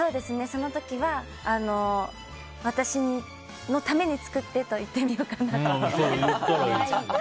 その時は、私のために作ってと言ってみようかなと。